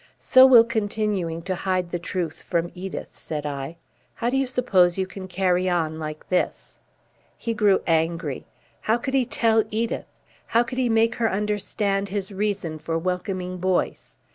"So will continuing to hide the truth from Edith," said I. "How do you suppose you can carry on like this?" He grew angry. How could he tell Edith? How could he make her understand his reason for welcoming Boyce?